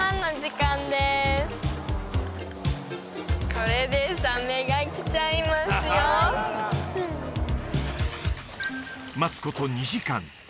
これ待つこと２時間